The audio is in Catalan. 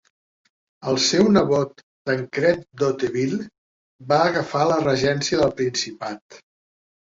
El seu nebot Tancred d'Hauteville va agafar la regència del principat.